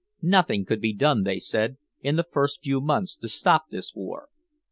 Nothing could be done, they said, in the first few months to stop this war.